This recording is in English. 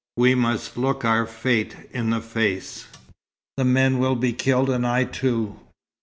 We must look our fate in the face. The men will be killed, and I, too.